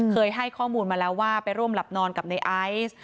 ให้ข้อมูลมาแล้วว่าไปร่วมหลับนอนกับในไอซ์